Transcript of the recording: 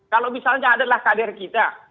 kalau misalnya adalah kader kita